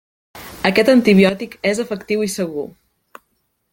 Aquest antibiòtic és efectiu i segur.